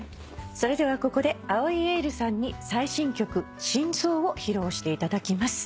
それではここで藍井エイルさんに最新曲『心臓』を披露していただきます。